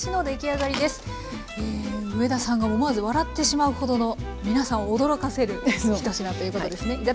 上田さんが思わず笑ってしまうほどの皆さんを驚かせる１品ということですね。